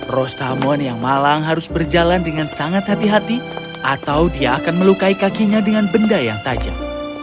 rosalmon yang malang harus berjalan dengan sangat hati hati atau dia akan melukai kakinya dengan benda yang tajam